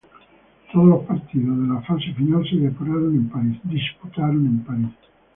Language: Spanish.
Todos los partidos de la fase final se disputaron en París.